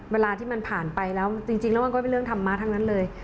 เวลาที่มันผ่านไปแล้วจริงแล้วมันก็เป็นเรื่องธรรมะทั้งนั้นเลย